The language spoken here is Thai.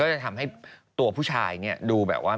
จะทำให้ตัวผู้ชายเนี่ยดูแบบว่า